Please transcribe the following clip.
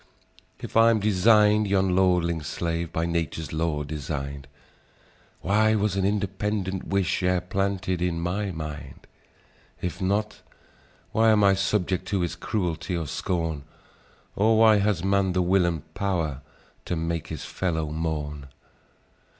"If I'm design'd yon lordling's slave, By Nature's law design'd, Why was an independent wish E'er planted in my mind? If not, why am I subject to His cruelty, or scorn? Or why has man the will and pow'r To make his fellow mourn?